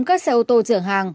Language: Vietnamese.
các xe ô tô chở hàng